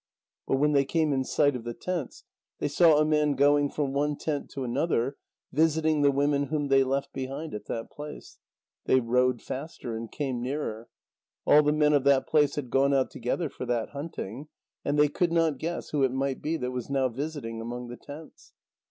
But when they came in sight of the tents, they saw a man going from one tent to another, visiting the women whom they left behind at that place. They rowed faster, and came nearer. All the men of that place had gone out together for that hunting, and they could not guess who it might be that was now visiting among the tents.